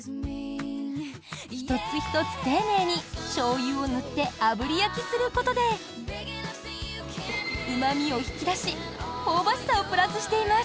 １つ１つ丁寧にしょうゆを塗ってあぶり焼きすることでうま味を引き出し香ばしさをプラスしています。